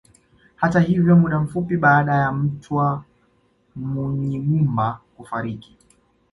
Hata hivyo muda mfupi baada ya Mtwa Munyigumba kufariki